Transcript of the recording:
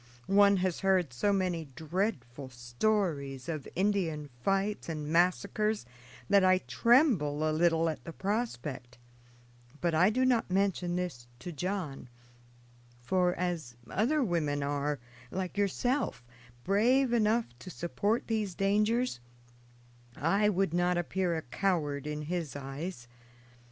One has heard so many dreadful stories of Indian fights and massacres that I tremble a little at the prospect; but I do not mention this to John, for as other women are, like yourself, brave enough to support these dangers, I would not appear a coward in his eyes.